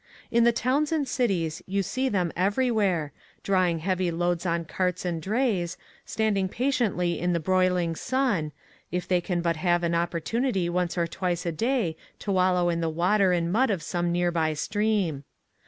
In the towns and cities you see them €ver} where, drawing heavy loads on carts .and drays, standing patiently in the broil ing sun, if they can but have an oppor tunity once or twice a day to wallow in the water and mud of some nearby stream.